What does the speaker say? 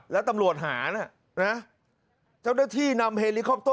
หาวหาวหาวหาวหาวหาวหาวหาวหาว